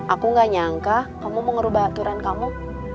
aku gak nyangka kamu mau ngerubah aturan kamu